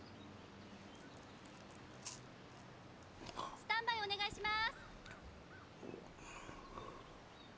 スタンバイおねがいします！